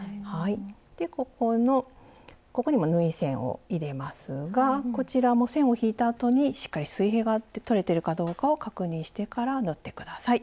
でここのここにも縫い線を入れますがこちらも線を引いたあとにしっかり水平がとれてるかどうかを確認してから縫って下さい。